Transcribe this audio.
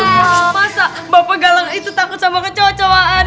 masa bapak galang itu takut sama kecowa cowaan